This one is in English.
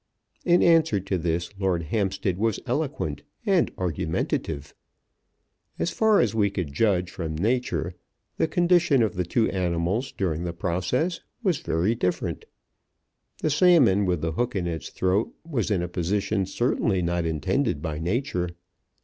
In answer to this Lord Hampstead was eloquent and argumentative. As far as we could judge from Nature the condition of the two animals during the process was very different. The salmon with the hook in its throat was in a position certainly not intended by Nature.